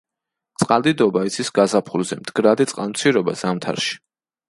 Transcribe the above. წყალდიდობა იცის გაზაფხულზე, მდგრადი წყალმცირობა ზამთარში.